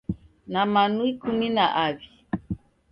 Na manu ikumi na aw'i.